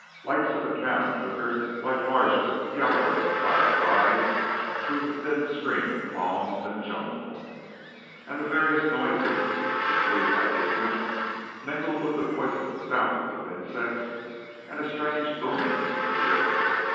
Lights of the town flickered like larger yellower fireflies through the thin screen of palms and jungle; and the various noises, subdued by distance, mingled with the voices of thousands of insects, and a strange booming from the river.